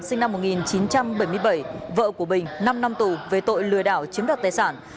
sinh năm một nghìn chín trăm bảy mươi bảy vợ của bình năm năm tù về tội lừa đảo chiếm đoạt tài sản